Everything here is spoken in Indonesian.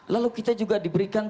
lalu kita juga diberikan